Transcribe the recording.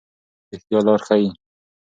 رښتیا لار ښيي.